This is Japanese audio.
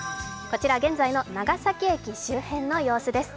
こちら現在の長崎駅周辺の様子です。